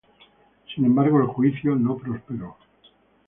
Sin embargo, el juicio no prosperó.